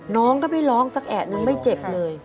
น้องก็ไม่ร้องสักแอะนึงไม่เจ็บเลย